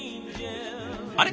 あれ？